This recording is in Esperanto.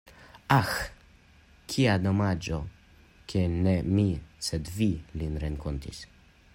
Aĥ, kia domaĝo, ke ne mi sed vi lin renkontis!